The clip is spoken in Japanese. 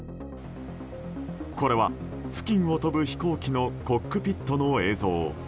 これは、付近を飛ぶ飛行機のコックピットの映像。